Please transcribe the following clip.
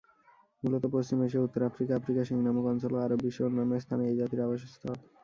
মূলত পশ্চিম এশিয়া, উত্তর আফ্রিকা, আফ্রিকার শিং নামক অঞ্চল ও আরব বিশ্বের অন্যান্য স্থানে এই জাতির আবাসস্থল।